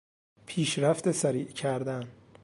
پیشرفت سریع کردن